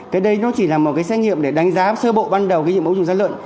cái đấy nó chỉ là một cái xét nghiệm để đánh giá sơ bộ ban đầu cái nhiễm ấu trùng sán lợn